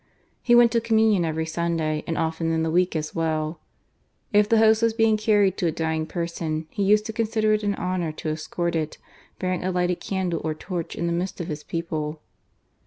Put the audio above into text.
He went to Communion every Sunday and often in the week as well. If the Host was being carried to a dying i f\ ^ THE TRUE CHRISTIAN, 275 person, he used to consider it an honour to escort It, bearing a lighted candle or torch, in the midst of his people.